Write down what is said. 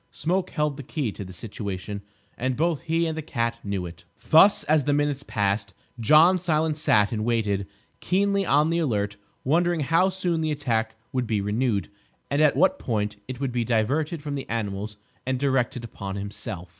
Smoke held the key to the situation; and both he and the cat knew it. Thus, as the minutes passed, John Silence sat and waited, keenly on the alert, wondering how soon the attack would be renewed, and at what point it would be diverted from the animals and directed upon himself.